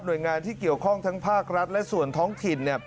โดยงานที่เกี่ยวข้องทั้งภาครัฐและส่วนท้องถิ่น